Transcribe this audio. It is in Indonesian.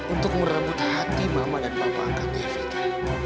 untuk merebut hati mama dan bapak akatnya evita